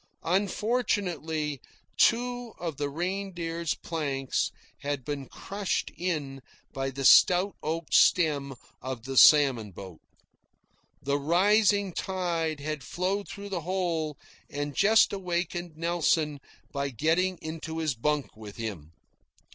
Unfortunately two of the Reindeer's planks had been crushed in by the stout oak stem of the salmon boat. The rising tide had flowed through the hole, and just awakened Nelson by getting into his bunk with him.